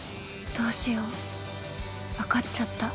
どうしよう分かっちゃった。